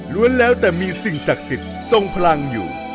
แล้วแต่มีสิ่งศักดิ์สิทธิ์ทรงพลังอยู่